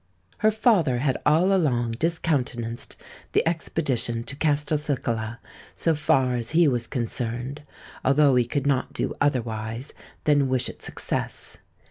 Her father had all along discountenanced the expedition to Castelcicala, so far as he was concerned; although he could not do otherwise than wish it success.